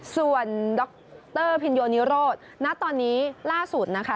ส่วนดรพินโยนิโรธณตอนนี้ล่าสุดนะคะ